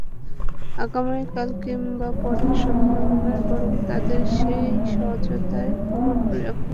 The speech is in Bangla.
আগামীকাল কিংবা পরের সপ্তাহে নয়, বরং তাঁদের সেই সহায়তার প্রয়োজন এখনই।